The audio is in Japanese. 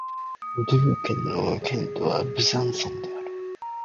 ドゥー県の県都はブザンソンである